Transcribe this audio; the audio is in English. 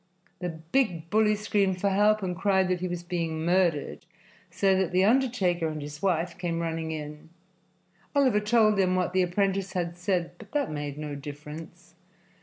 The big bully screamed for help and cried that he was being murdered, so that the undertaker and his wife came running in. Oliver told them what the apprentice had said, but that made no difference.